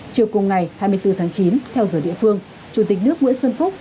chiều cùng ngày hai mươi bốn tháng chín theo giờ địa phương chủ tịch nước nguyễn xuân phúc